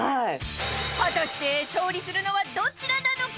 ［果たして勝利するのはどちらなのか⁉］